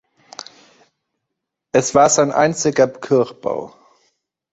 Es war sein einziger Kirchbau.